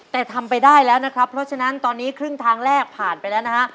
แต่ทำไปได้แล้วนะครับเพราะฉะนั้นตอนนี้ครึ่งทางแรกผ่านไปแล้วนะฮะ